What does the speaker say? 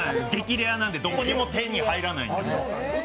レアなんで、どこでも手に入らないんでね。